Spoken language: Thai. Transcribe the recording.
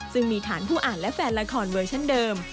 ซึ่งมีฐานผู้อ่านและแฟนละครเวอร์ชั่นเดิม